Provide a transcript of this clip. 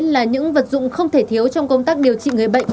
là những vật dụng không thể thiếu trong công tác điều trị người bệnh